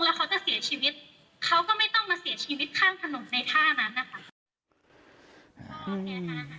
คอยังไม่ต้องมาเสียชีวิตข้างถนนในท่านั้น